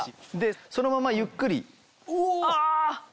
そのままゆっくり横に。